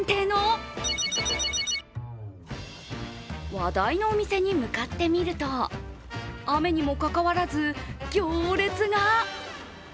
話題のお店に向かってみると、雨にもかかわらず行列が。